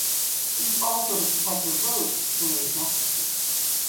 He was also the protector of roads to the native Mexicans.